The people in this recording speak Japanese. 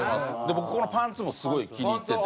僕このパンツもすごい気に入ってて。